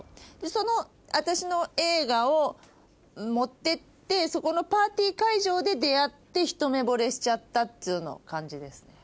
その私の映画を持ってってそこのパーティー会場で出会ってひと目ぼれしちゃった感じですね。